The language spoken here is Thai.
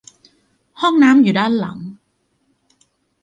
ห้องน้ำอยู่ด้านหลัง